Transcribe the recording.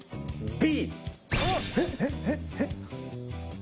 Ｂ。